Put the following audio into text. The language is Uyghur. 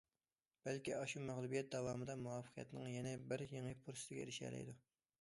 بەلكى ئاشۇ مەغلۇبىيەت داۋامىدا مۇۋەپپەقىيەتنىڭ يەنە بىر يېڭى پۇرسىتىگە ئېرىشەلەيدۇ.